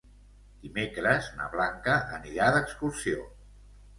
Dimecres na Blanca anirà d'excursió.